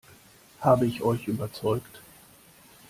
Habe ich euch überzeugt?